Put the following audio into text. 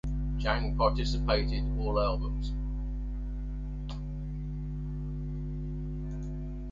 Jang participated all albums.